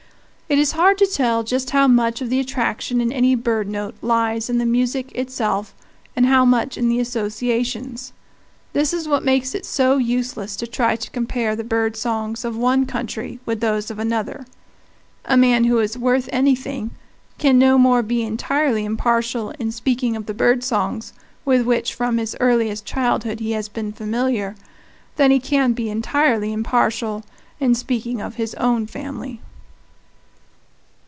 It is hard to tell just how much of the attraction in any bird note lies in the music itself and how much in the associations. This is what makes it so useless to try to compare the bird songs of one country with those of another. A man who is worth anything can no more be entirely impartial in speaking of the bird songs with which from his earliest childhood he has been familiar than he can be entirely impartial in speaking of his own family.